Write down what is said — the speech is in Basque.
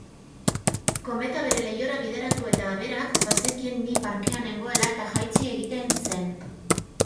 Kometa bere leihora bideratu eta berak bazekien ni parkean nengoela eta jaitsi egiten zen.